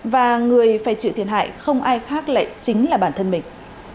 và người phải chịu thiệt hại không ai khác lại chính là bản thân mình